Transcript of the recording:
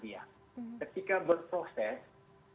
di masjid kemanet